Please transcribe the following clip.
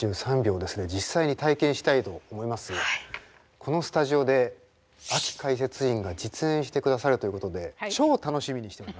このスタジオでアキかいせついんが実演してくださるということで超楽しみにしております。